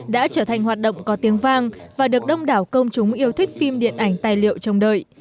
đã trở thành hoạt động có tiếng vang và được đông đảo công chúng yêu thích phim điện ảnh tài liệu trồng đợi